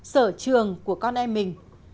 sở trường của con em mình